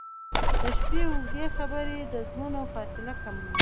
• د شپې اوږدې خبرې د زړونو فاصله کموي.